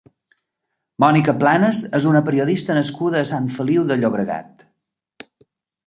Mònica Planas és una periodista nascuda a Sant Feliu de Llobregat.